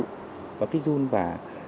có kích run và